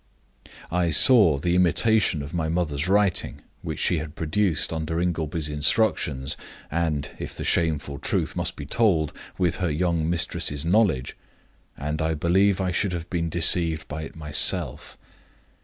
I saw the imitation of my mother's writing which she had produced under Ingleby's instructions and (if the shameful truth must be told) with her young mistress's knowledge and I believe I should have been deceived by it myself.